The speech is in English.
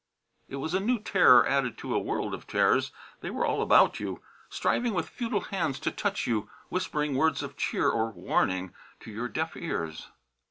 It was a new terror added to a world of terrors they were all about you, striving with futile hands to touch you, whispering words of cheer or warning to your deaf ears.